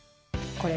これ？